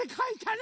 ね